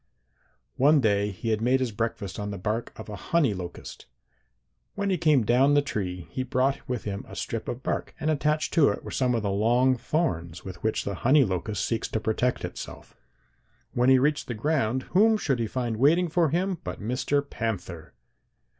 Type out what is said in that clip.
"One day he had made his breakfast on the bark of a honey locust. When he came down the tree he brought with him a strip of bark, and attached to it were some of the long thorns with which the honey locust seeks to protect itself. When he reached the ground whom should he find waiting for him but Mr. Panther.